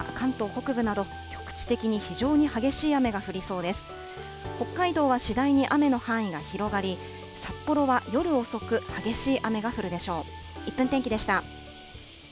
北海道は次第に雨の範囲が広がり、札幌は夜遅く、激しい雨が降るでしょう。